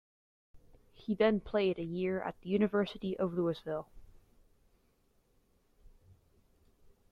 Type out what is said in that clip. He then played a year at the University of Louisville.